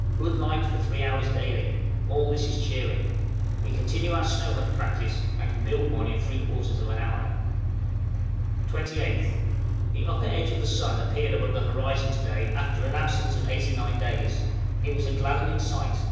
good light for three hours daily; all this is cheering. We continue our snow hut practice, and can build one in three quarters of an hour. 28th. The upper edge of the sun appeared above the horizon to day, after an absence of eighty nine days; it was a gladdening sight.